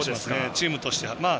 チームとしては。